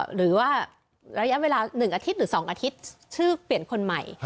หรือว่าระยะเวลา๑อาทิตย์หรือ๒อาทิตย์ชื่อเปลี่ยนคนใหม่